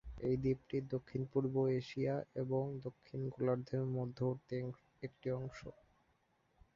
এই দ্বীপটি দক্ষিণ-পূর্ব এশিয়া এবং দক্ষিণ গোলার্ধের মধ্যবর্তী একটি অংশ।